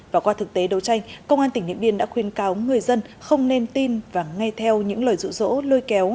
và qua thực tế đấu tranh công an tỉnh điện biên đã khuyên cáo người dân không nên tin và nghe theo những lời rụ rỗ lôi kéo